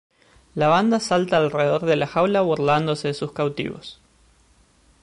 La banda salta alrededor de la jaula burlándose de sus cautivos.